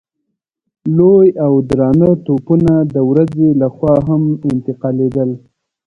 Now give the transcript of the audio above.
لوی او درانه توپونه د ورځې له خوا هم انتقالېدل.